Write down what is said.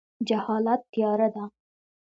جهالت تیاره ده